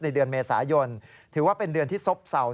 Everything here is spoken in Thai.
เดือนเมษายนถือว่าเป็นเดือนที่ซบเศร้า